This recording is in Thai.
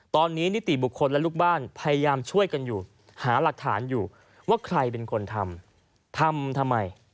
ตอนนี้นิติบุคคลและลูกบ้านพยายามช่วยกันอยู่หาหลักฐานอยู่ว่าใครเป็นคนทำทำทำไม